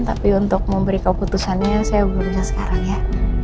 tapi untuk memberi keputusannya saya belum bisa sekarang ya